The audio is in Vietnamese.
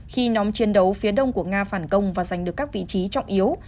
khi nhóm chiến đấu phía đông của nga phản công và giành được các vị trí trọng yếu